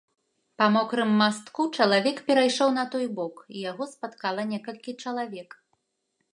Па мокрым мастку чалавек перайшоў на той бок, і яго спаткала некалькі чалавек.